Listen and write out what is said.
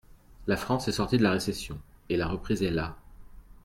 La France est sortie de la récession, et la reprise est là.